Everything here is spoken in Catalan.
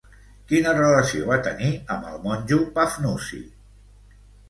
Quina relació va tenir amb el monjo Pafnuci?